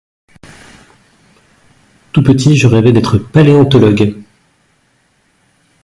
Tout petit je rêvais d'être paléontologue.